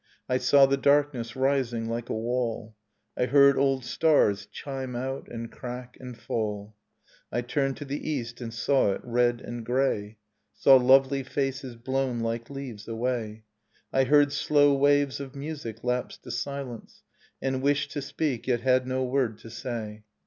I saw the darkness rising like a wall. I heard old stars chime out and crack and falL I turned to the east and saw it red and grey, Nocturne in a Minor Key Saw lovely faces blown like leaves away. I heard slow waves of music lapse to silence, And wished to speak, yet had no word to say.